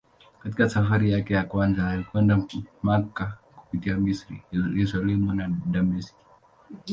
Katika safari yake ya kwanza alikwenda Makka kupitia Misri, Yerusalemu na Dameski.